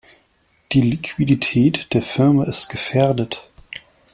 Die Liquidität der Firma ist gefährdet.